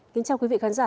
xin chào quý vị khán giả